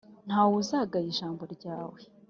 nta we uzagaya ijambo ryawe.